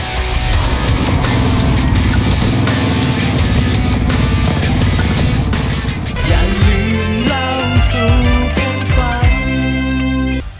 อย่าลืมเล่าสู่กันฟัง